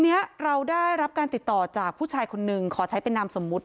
อันนี้เราได้รับการติดต่อจากผู้ชายคนนึงขอใช้เป็นนามสมมุติ